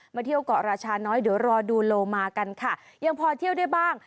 เที่ยวเกาะราชาน้อยเดี๋ยวรอดูโลมากันค่ะยังพอเที่ยวได้บ้าง